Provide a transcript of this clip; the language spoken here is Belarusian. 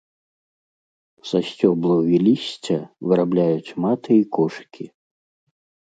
Са сцёблаў і лісця вырабляюць маты і кошыкі.